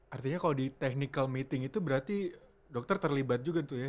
artinya kalau di technical meeting itu berarti dokter terlibat juga tuh ya